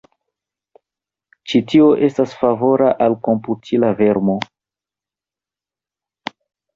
Ĉi tio estas favora al komputila vermo.